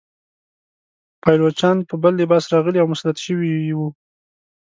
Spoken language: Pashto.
پایلوچان په بل لباس راغلي او مسلط شوي وه.